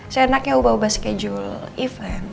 seenaknya ubah ubah schedule event